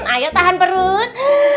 ayo tahan perut